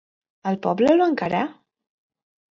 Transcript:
El poble el va encarar?